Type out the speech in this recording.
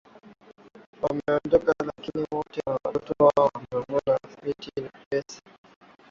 wameondoka lakini leo watoto na wake zao wanavuna hiyo miti na wanapata pesa